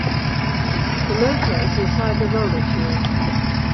The motor is inside the roller tube.